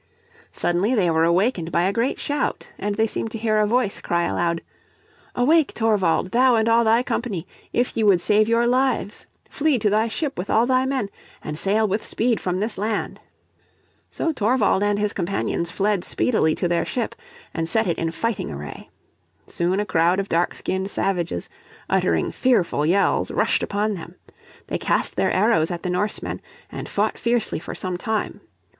Suddenly they were awakened by a great shout, and they seemed to hear a voice cry aloud, "Awake, Thorvald, thou and all thy company, if ye would save your lives. Flee to thy ship with all thy men, and sail with speed from this land." So Thorvald and his companions fled speedily to their ship, and set it in fighting array. Soon a crowd of dark skinned savages, uttering fearful yells, rushed upon them. They cast their arrows at the Norsemen, and fought fiercely for some time.